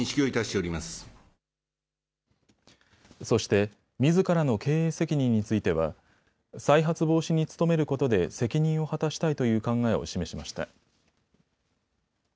そしてみずからの経営責任については再発防止に努めることで責任を果たしたいという考えを示しました。